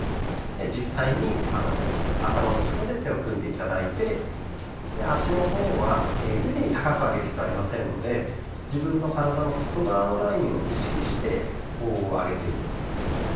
実際に頭の後ろで手を組んで頂いてで脚の方は無理に高く上げる必要はありませんので自分の体の外側のラインを意識してこう上げていきます。